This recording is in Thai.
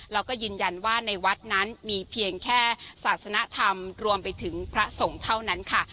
แล้วก็ยืนยันว่าในวัดนั้นมีเพียงแค่ศาสนธรรมรวมไปถึงพระสงฆ์เท่านั้นค่ะ